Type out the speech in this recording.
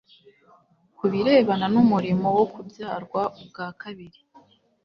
Ku birebana n'umurimo wo kubyarwa ubwa kabiri,